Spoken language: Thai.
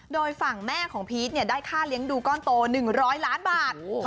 โดยฝั่งแม่ของพีชได้ค่าเลี้ยงดูก้อนโต๑๐๐ล้านบาท